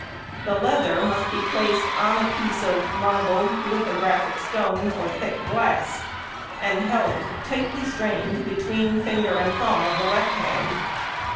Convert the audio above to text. The leather must be placed on a piece of marble, lithographic stone, or thick glass, and held tightly strained between finger and thumb of the left hand.